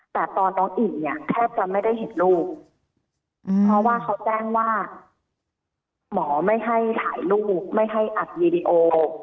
แต่ตอนน้องอิ่มเนี่ยแทบจะไม่ได้เห็นลูกเพราะว่าเขาแจ้งว่าหมอไม่ให้ถ่ายรูปไม่ให้อัดวีดีโอ